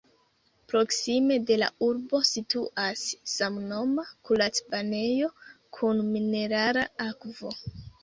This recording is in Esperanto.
Proksime de la urbo situas samnoma kurac-banejo kun minerala akvo.